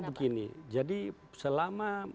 begini jadi selama